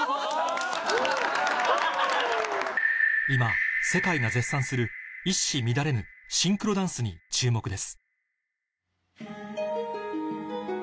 今世界が絶賛する一糸乱れぬシンクロダンスに注目です